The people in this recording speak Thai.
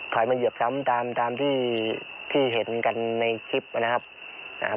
ถอยมาเหยียบซ้ำตามที่เห็นกันในคลิปนะครับ